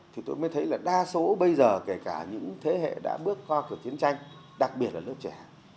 thì tôi mới thấy là đa số bây giờ kể cả những thế hệ đã bước qua kiểu chiến tranh đặc biệt là lớp trẻ